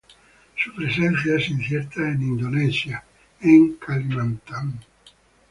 Su presencia es incierta en Indonesia en Kalimantan.